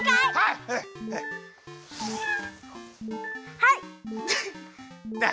はい！